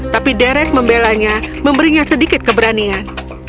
tapi derek membelanya memberinya sedikit keberanian